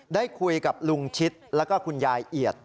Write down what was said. ได้คุยกับลุงชิดแล้วก็คุณยายเอียด